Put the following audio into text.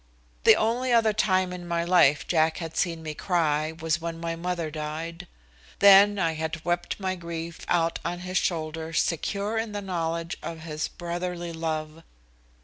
The only other time in my life Jack had seen me cry was when my mother died. Then I had wept my grief out on his shoulder secure in the knowledge of his brotherly love.